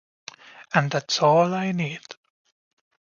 And that's all I need.